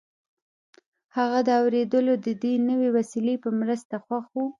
هغه د اورېدلو د دې نوې وسیلې په مرسته خوښ و